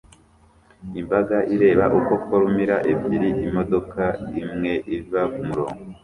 Imbaga ireba uko formula ebyiri imodoka imwe iva kumurongo